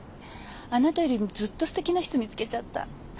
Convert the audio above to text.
あなたよりもずっとすてきな人見つけちゃった。